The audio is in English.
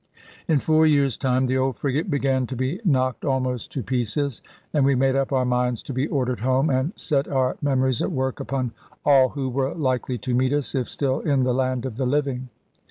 In four years' time the old frigate began to be knocked almost to pieces; and we made up our minds to be ordered home, and set our memories at work upon all who were likely to meet us, if still in the land of the living.